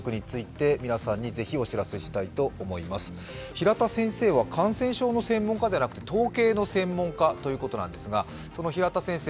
平田先生は感染症の専門家ではなくて統計の専門家なんですがその平田先生